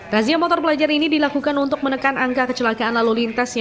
razia motor pelajar ini dilakukan untuk menekan angka kecelakaan lalu lintas